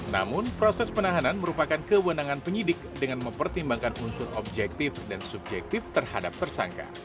namun proses penahanan merupakan kewenangan penyidik dengan mempertimbangkan unsur objektif dan subjektif terhadap tersangka